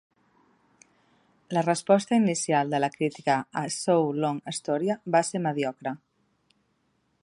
La resposta inicial de la crítica a "So Long, Astoria" va ser mediocre.